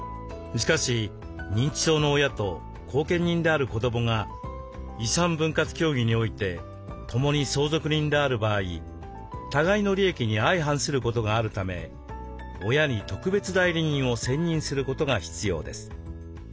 しかし認知症の親と後見人である子どもが遺産分割協議において共に相続人である場合互いの利益に相反することがあるため親に特別代理人を選任することが必要です。